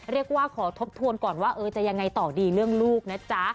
เรียกว่าขอทบทวนก่อนว่าจะยังไงต่อดีเรื่องลูกนะจ๊ะ